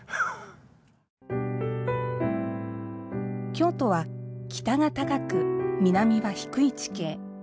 京都は北が高く、南は低い地形。